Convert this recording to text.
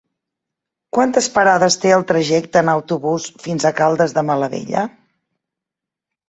Quantes parades té el trajecte en autobús fins a Caldes de Malavella?